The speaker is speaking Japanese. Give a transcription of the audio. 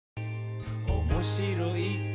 「おもしろい？